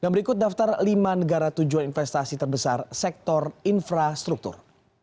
berikut daftar lima negara tujuan investasi terbesar sektor infrastruktur